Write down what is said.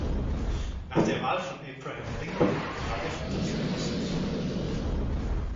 Nach der Wahl von Abraham Lincoln trat er von diesem Posten zurück.